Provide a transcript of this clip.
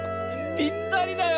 ぴったりだよ！